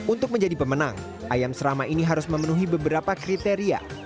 untuk menjadi pemenang ayam serama ini harus memenuhi beberapa kriteria